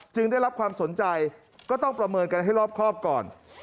ได้รับความสนใจก็ต้องประเมินกันให้รอบครอบก่อน